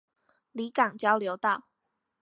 里港交流道